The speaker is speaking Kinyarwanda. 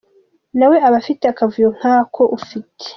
nawe aba afite akavuyo nkako ufite.